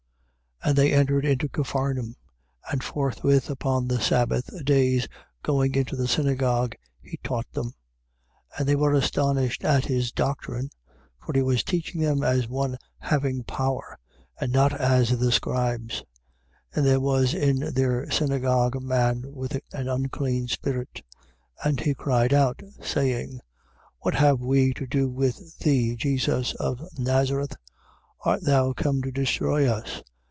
1:21. And they entered into Capharnaum: and forthwith upon the sabbath days going into the synagogue, he taught them. 1:22. And they were astonished at his doctrine. For he was teaching them as one having power, and not as the scribes. 1:23. And there was in their synagogue a man with an unclean spirit; and he cried out, 1:24. Saying: What have we to do with thee, Jesus of Nazareth? Art thou come to destroy us?